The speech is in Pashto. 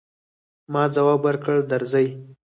ما ځواب ورکړ، درځئ.